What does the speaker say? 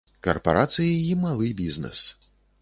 Карпарацыі і малы бізнэс.